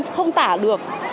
không tả được